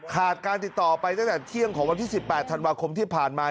การติดต่อไปตั้งแต่เที่ยงของวันที่๑๘ธันวาคมที่ผ่านมา